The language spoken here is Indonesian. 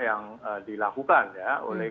yang dilakukan oleh